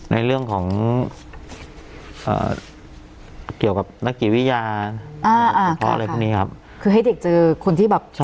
ในเรื่องของเอ่อเกี่ยวกับนักกลี้วิญญาทำตั๋วตอนนี้ครับคือให้เด็กเจอคนที่แบบ